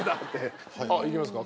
いきますか？